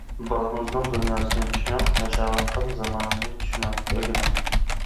بالىڭىزنىڭ دۇنياسىنى چۈشىنىڭ، ياشاۋاتقان زامانىنى چۈشىنىڭ. ئۈگىنىڭ.